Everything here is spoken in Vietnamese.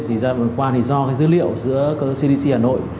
thì ra vừa qua thì do dữ liệu giữa cdc hà nội